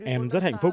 em rất hạnh phúc